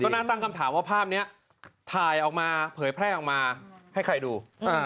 น่าตั้งคำถามว่าภาพนี้ถ่ายออกมาเผยแพร่ออกมาให้ใครดู